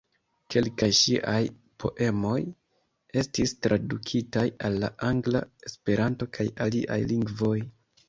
Kelkaj ŝiaj poemoj estis tradukitaj al la angla, Esperanto kaj aliaj lingvoj.